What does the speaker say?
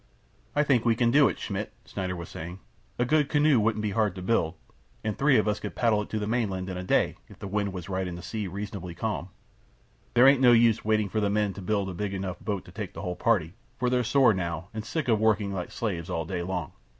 "I think we can do it, Schmidt," Schneider was saying. "A good canoe wouldn't be hard to build, and three of us could paddle it to the mainland in a day if the wind was right and the sea reasonably calm. There ain't no use waiting for the men to build a big enough boat to take the whole party, for they're sore now and sick of working like slaves all day long.